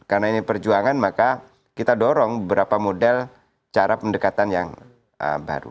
karena ini perjuangan maka kita dorong beberapa model cara pendekatan yang baru